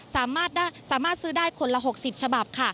สามารถซื้อได้คนละ๖๐ฉบับค่ะ